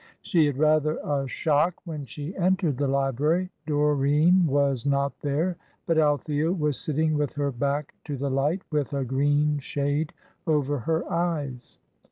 She had rather a shock when she entered the library. Doreen was not there, but Althea was sitting with her back to the light, with a green shade over her eyes.